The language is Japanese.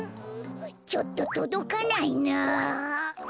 ちょっととどかないな。